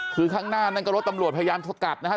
คือข้างหน้านั่นก็รถตำรวจพยายามสกัดนะครับ